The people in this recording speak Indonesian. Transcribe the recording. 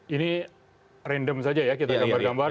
ini random saja ya kita gambar gambar